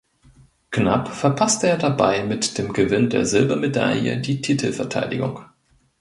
Knapp verpasste er dabei mit dem Gewinn der Silbermedaille die Titelverteidigung.